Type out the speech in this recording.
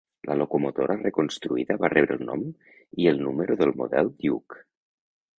La locomotora reconstruïda va rebre el nom i el número del model Duke.